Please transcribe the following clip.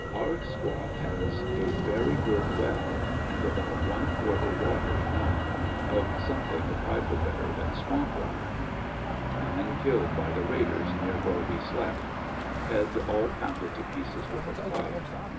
Our squad has a very good well, and about one quarter water enough, of something a trifle better than swamp ANDERSONVILLE DIARY. 61 water. Man killed b}^ the raiders near where we slept. Head all pounded to pieces with a club.